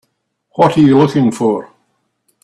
What are you looking for?